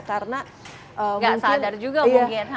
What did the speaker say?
karena gak sadar juga mungkin